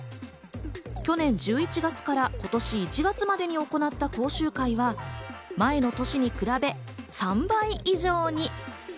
去年１１月から今年１月までに行った講習会は、前の年に比べ３倍以上に。